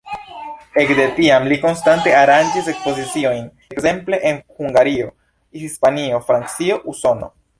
Ekde tiam li konstante aranĝis ekspoziciojn ekzemple en Hungario, Hispanio, Francio, Usono.